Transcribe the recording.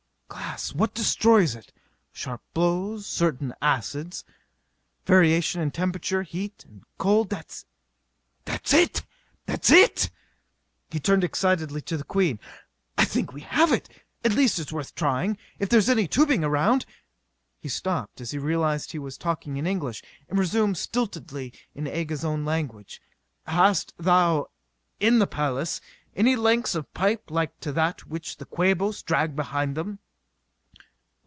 "Glass. What destroys it? Sharp blows ... certain acids ... variation in temperature ... heat and cold.... That's it! That's it!" He turned excitedly to the Queen. "I think we have it! At least it's worth trying. If there is any tubing around...." He stopped as he realized he was talking in English, and resumed stiltedly in Aga's own language. "Hast thou, in the palace, any lengths of pipe like to that which the Quabos drag behind them?"